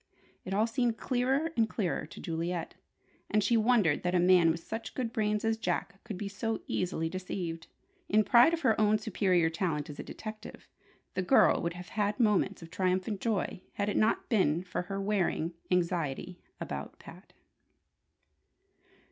It all seemed clearer and clearer to Juliet, and she wondered that a man with such good brains as Jack's could be so easily deceived. In pride of her own superior talent as a detective, the girl would have had moments of triumphant joy had it not been for her wearing anxiety about Pat.